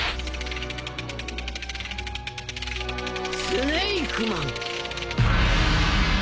スネイクマン。